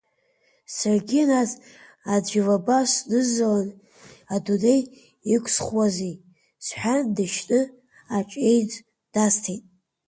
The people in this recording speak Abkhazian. Саргьы нас, аӡә илаба сныззала адунеи иқәсхуазеи, — сҳәан, дышьны аҷеиӡ дасҭеит.